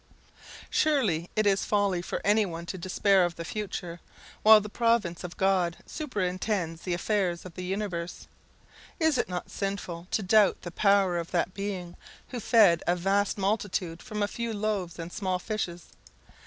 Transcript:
Surely it is folly for any one to despair of the future, while the providence of God superintends the affairs of the universe. Is it not sinful to doubt the power of that Being, who fed a vast multitude from a few loaves and small fishes?